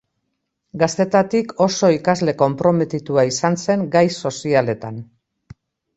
Gaztetatik oso ikasle konprometitua izan zen gai sozialetan.